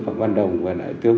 và văn đồng và nại tướng